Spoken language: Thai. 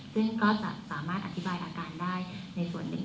ซึ่งก็จะสามารถอธิบายอาการได้ในส่วนหนึ่ง